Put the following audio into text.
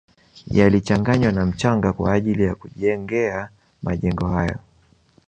Yalichanganywa na mchanga kwa ajili ya kujengea majengo hayo